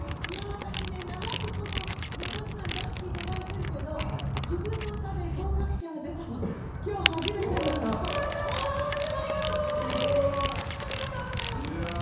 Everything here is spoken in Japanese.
私ね、長くこの「のど自慢」出していただいてるけど自分の歌で合格者が出たのありがとうございます！